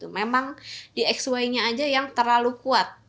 memang di x y nya aja yang terlalu kuat